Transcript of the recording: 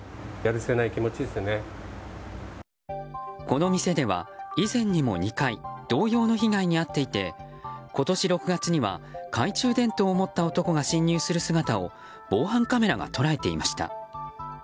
この店では以前にも２回同様の被害に遭っていて今年６月には懐中電灯を持った男が侵入する姿を防犯カメラが捉えていました。